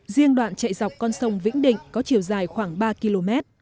riêng đoạn chạy dọc con sông vĩnh định có chiều dài khoảng ba km